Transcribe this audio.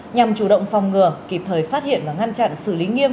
nhằm chủ động phòng ngừa kịp thời phát hiện và ngăn chặn xử lý nghiêm